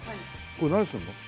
これ何すんの？